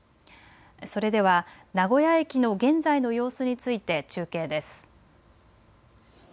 それでは名古屋駅の現在の様子について中継です。